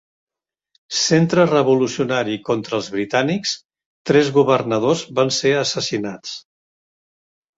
Centre revolucionari contra els britànics, tres governadors van ser assassinats.